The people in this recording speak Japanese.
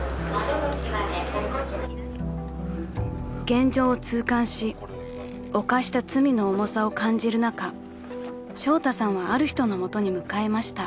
［現状を痛感し犯した罪の重さを感じる中ショウタさんはある人の元に向かいました］